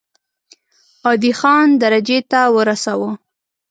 عادي خان درجې ته ورساوه.